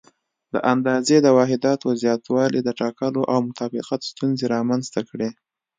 د اندازې د واحداتو زیاتوالي د ټاکلو او مطابقت ستونزې رامنځته کړې.